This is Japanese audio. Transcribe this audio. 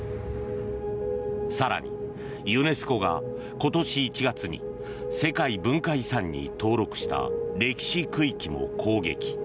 更に、ユネスコが今年１月に世界文化遺産に登録した歴史区域も攻撃。